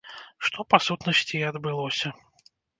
Што па сутнасці і адбылося.